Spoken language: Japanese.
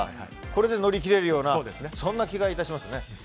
これで乗り切れるような気がしますね。